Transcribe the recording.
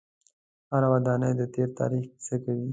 هره ودانۍ د تیر تاریخ کیسه کوي.